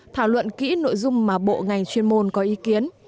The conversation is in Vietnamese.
thảo luận kỹ nội dung mà bộ ngành chuyên môn có ý kiến